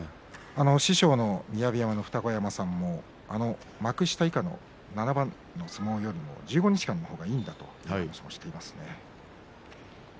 師匠の雅山の二子山さんも幕下以下の７番の相撲よりも１５日間の方がいいんだと言っていますね。